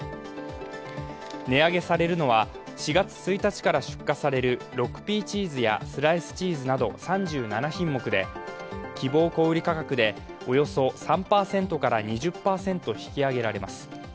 値上げされるのは、４月１日から出荷される６Ｐチーズやスライスチーズなど３７品目で希望小売価格でおよそ３％から２０％引き上げられます。